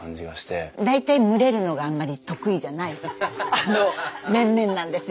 大体群れるのがあんまり得意じゃない面々なんですよ。